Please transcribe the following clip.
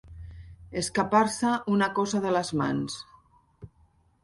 Escapar-se una cosa de les mans.